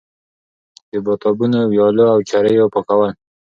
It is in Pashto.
د پاتابونو، ويالو او چريو پاکول